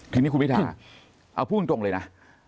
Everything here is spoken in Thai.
ทีนี้คุณพิทาเอาพูดตรงเลยนะ